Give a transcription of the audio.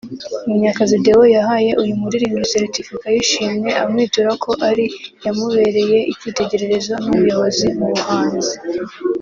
Munyakazi Deo yahaye uyu muririmbyi certificate y’ishimwe amwitura ko ‘ari yamubereye icyitegererezo n’umuyoboro mu buhanzi’